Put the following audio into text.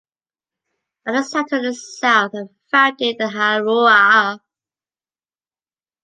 Others settled in the south and founded the Halruaa.